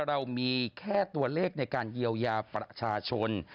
เรามีแค่ตัวเลขในการเยียวยาประชาชน